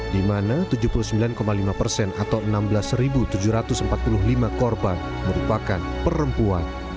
di mana tujuh puluh sembilan lima persen atau enam belas tujuh ratus empat puluh lima korban merupakan perempuan